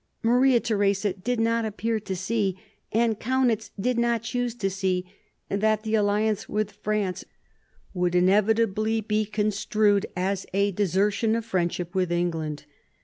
Maria Theresa did not appear to see, and Kaunitz did not choose to see, that the alliance with France would inevitably be construed as a desertion of friendship with England.